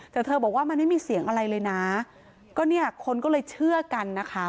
แต่เธอบอกว่ามันไม่มีเสียงอะไรเลยนะก็เนี่ยคนก็เลยเชื่อกันนะคะ